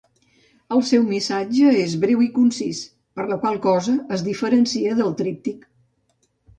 El seu missatge és breu i concís, per la qual cosa es diferencia del tríptic.